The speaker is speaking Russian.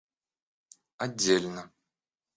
отдельно